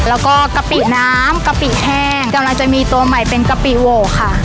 แล้วก็กะปิน้ำกะปิแห้งกำลังจะมีตัวใหม่เป็นกะปิโหวค่ะ